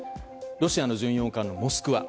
ロシアの巡洋艦「モスクワ」